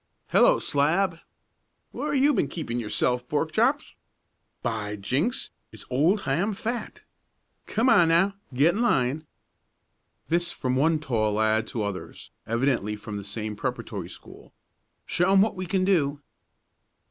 "Hello, Slab!" "Where have you been keeping yourself, Pork Chops!" "By jinks! There's old Ham Fat!" "Come on, now! Get in line!" This from one tall lad to others, evidently from the same preparatory school. "Show 'em what we can do!"